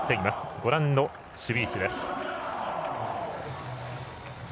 ご覧の守備位置です。